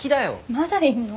まだいんの？